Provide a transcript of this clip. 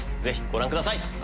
ぜひご覧ください。